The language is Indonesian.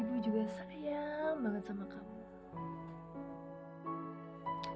aduh juga sayang banget sama kamu